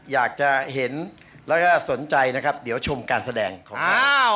อยากจะเห็นแล้วก็สนใจนะครับเดี๋ยวชมการแสดงของเรา